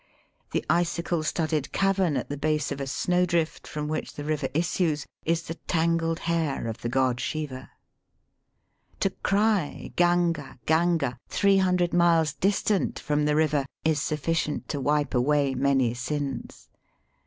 The icicle studded cavern at the base of a snow drift from which the river issues is the tangled hair of the god Siva. To cry ^^Ganga! Gang^ !'' three hundred miles dis tant from the river is sufficient to wipe away many sins.